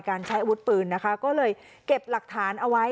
การใช้อาวุธปืนนะคะก็เลยเก็บหลักฐานเอาไว้